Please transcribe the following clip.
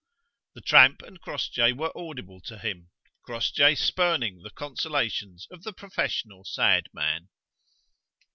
The tramp and Crossjay were audible to him; Crossjay spurning the consolations of the professional sad man.